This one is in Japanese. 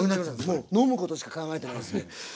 もう飲むことしか考えてないです。